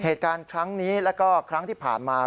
เหตุการณ์ครั้งนี้แล้วก็ครั้งที่ผ่านมา